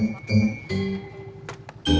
gak ada apa apa